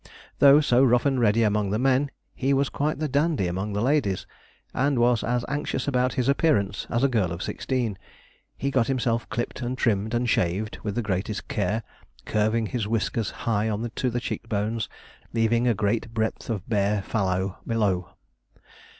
Though so rough and ready among the men, he was quite the dandy among the ladies, and was as anxious about his appearance as a girl of sixteen. He got himself clipped and trimmed, and shaved with the greatest care, curving his whiskers high on to the cheekbones, leaving a great breadth of bare fallow below.